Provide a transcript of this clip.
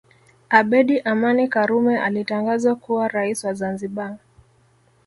abedi amani karume alitangazwa kuwa rais wa zanzibar